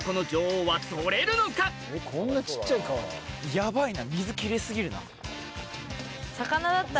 ヤバいな。